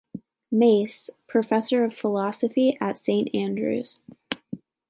Mace, professor in philosophy at Saint Andrews.